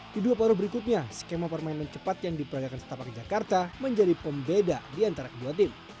di dua paruh berikutnya skema permainan cepat yang diperagakan setapak jakarta menjadi pembeda di antara kedua tim